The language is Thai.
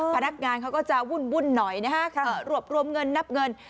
พนักงานเขาก็จะวุ่นหน่อยนะฮะรวบรวมเงินนับเงิน